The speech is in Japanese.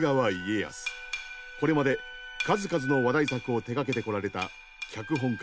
これまで数々の話題作を手がけてこられた脚本家